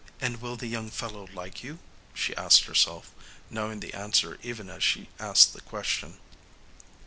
"And will the young fellow like you?" she asked herself, knowing the answer even as she asked the question.